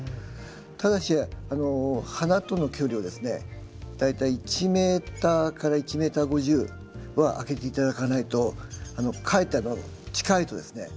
ただし花との距離をですね大体１ｍから１ｍ５０は空けて頂かないとかえって近いとですね